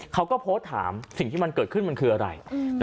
เขาก็โพสต์ถามสิ่งที่มันเกิดขึ้นมันคืออะไร